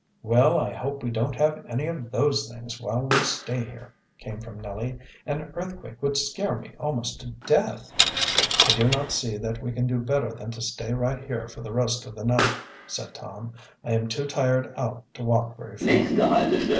"Well, I hope we don't have any of those things while we stay here," came from Nellie. "An earthquake would scare me almost to death." "I do not see that we can do better than to stay right here for the rest of the night," said Tom. "I am too tired out to walk very, far."